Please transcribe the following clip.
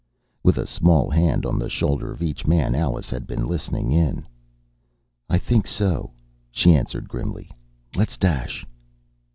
With a small hand on the shoulder of each man, Alice had been listening in. "I think so," she answered grimly. "Let's dash."